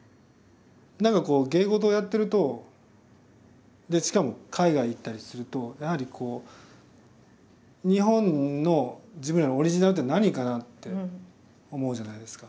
何かこう芸事をやってるとでしかも海外行ったりするとやはりこう日本の自分らのオリジナルって何かなって思うじゃないですか。